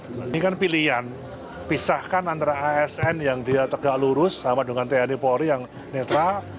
ini kan pilihan pisahkan antara asn yang dia tegak lurus sama dengan tni polri yang netral